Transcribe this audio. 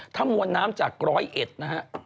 ถ้ามวลน้ำจากร้อยเอ็ดนะฮะ